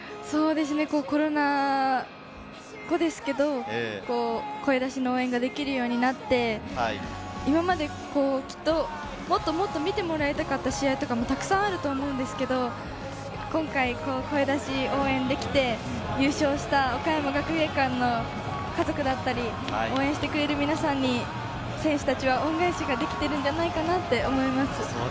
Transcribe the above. コロナ後ですけど、声出しの応援ができるようになって、今まできっと、もっともっと見てもらいたかった試合とかも、たくさんあると思うんですけど、今回、声出し応援できて、優勝した岡山学芸館の家族だったり、応援してくれる皆さんに選手たちは恩返しができているんじゃないかなって思います。